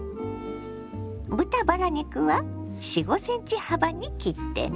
豚バラ肉は４５ｃｍ幅に切ってね。